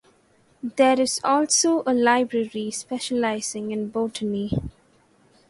There is also a library specializing in botany.